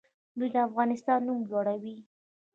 دوی د افغانستان نوم لوړوي.